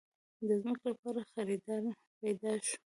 د ځمکې لپاره خريدار پېدا شو.